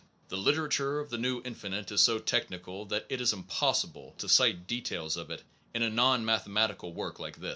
The literature of the new infinite is so technical that it is impossible to cite details of it in a non mathemati cal work like this.